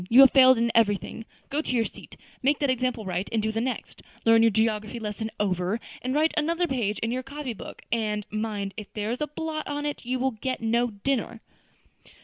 You have failed in everything. Go to your seat. Make that example right, and do the next; learn your geography lesson over, and write another page in your copy book; and, mind, if there is a blot on it, you will get no dinner."